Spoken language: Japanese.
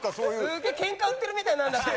すげえケンカ売ってるみたいになるんだって。